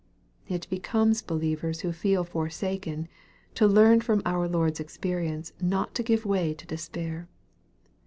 It becomes believers who feel " forsaken," to learn from our Lord's experience not to give way to despair.